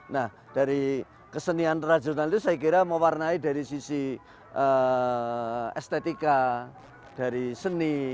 nah dari kesenian ragional itu saya kira mewarnai dari sisi estetika dari seni